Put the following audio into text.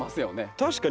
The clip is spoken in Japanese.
確かに。